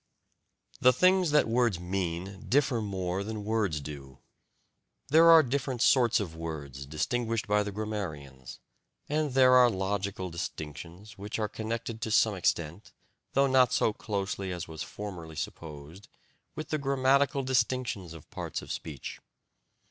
The things that words mean differ more than words do. There are different sorts of words, distinguished by the grammarians; and there are logical distinctions, which are connected to some extent, though not so closely as was formerly supposed, with the grammatical distinctions of parts of speech.